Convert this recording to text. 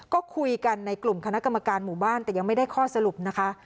ก็คุยกันในกลุ่มคณะกรรมการหมู่บ้านแต่ยังไม่ได้ข้อสรุปนะคะ